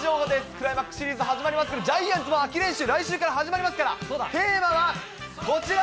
クライマックスシリーズ始まりますけど、ジャイアンツは、秋練習来週から始まりますから、テーマはこちら。